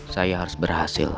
saya harus berhasil